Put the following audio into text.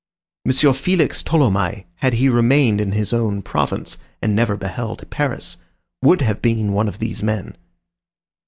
M. Félix Tholomyès, had he remained in his own province and never beheld Paris, would have been one of these men.